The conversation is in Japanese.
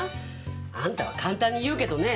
あんたは簡単に言うけどね